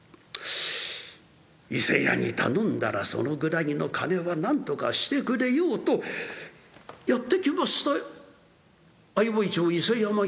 伊勢屋に頼んだらそのぐらいの金はなんとかしてくれようとやって来ました相生町伊勢屋万